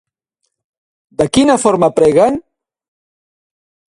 De quina forma preguen?